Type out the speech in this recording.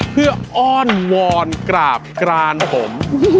เพื่ออ้อนวอนกราบกรานผม